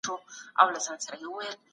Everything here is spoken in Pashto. مینه په دروغو هم خوشحاله کیږي.